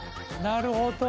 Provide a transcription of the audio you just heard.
なるほど！